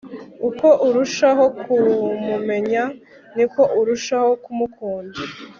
uko urushaho kumumenya, niko urushaho kumukunda